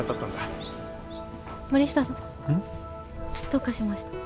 どうかしました？